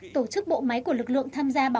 tổ chức bộ máy của lực lượng tham gia